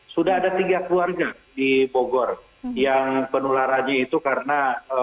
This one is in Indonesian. sudah ada tiga keluarga di bogor yang penularannya itu karena